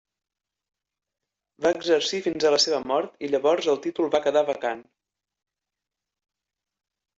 Va exercir fins a la seva mort i llavors el títol va quedar vacant.